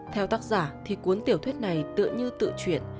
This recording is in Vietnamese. theo tác giả thì cuốn tiểu thuyết này tự như tự chuyển